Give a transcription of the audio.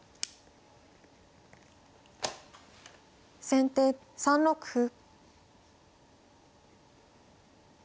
先手３六歩。